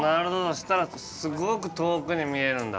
そしたらすごく遠くに見えるんだ。